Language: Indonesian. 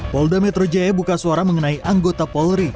polda metro jaya buka suara mengenai anggota polri